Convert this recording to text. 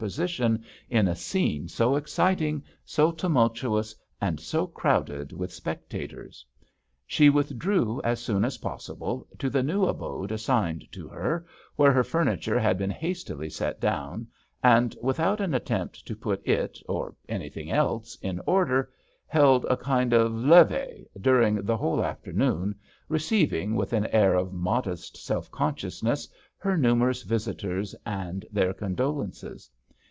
TALLY position in a scene so exciting, so tumul tuous, and so crowded with spectators. She withdrew as soon as possible to the new abode assigned to her, where her furniture had been hastily set down, and, without an attempt to put it or anything else in order, held a kind of levie during the whole afternoon, receiving with an air of modest self consciousness her numerous visitors and their condolences.